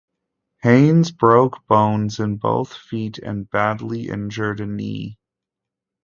Haynes broke bones in both feet and badly injured a knee.